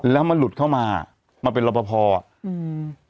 แล้วมันหลุดเข้ามามาเป็นรอปภอ่ะอืม